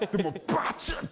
バチッ！